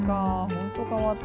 本当変わった。